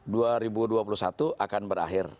sebetulnya kan dua ribu dua puluh satu akan berakhir